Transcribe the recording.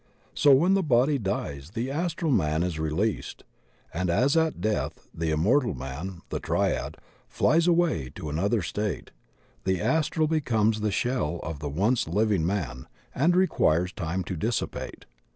So when the body dies the astral man is released, and as at death the im mortal man — the Triad — ^flies away to another state, the astral becomes the shell of the once living man and requires time to dissipate.